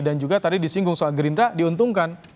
dan juga tadi disinggung soal gerindra diuntungkan